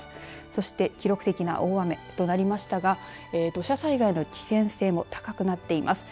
そして、記録的な大雨となりましたが土砂災害の危険性も高くなっています。